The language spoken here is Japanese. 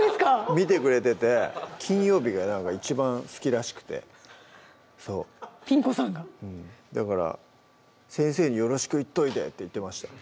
見てくれてて金曜日がなんか一番好きらしくてそうピン子さんが？だから「先生によろしく言っといて」って言ってました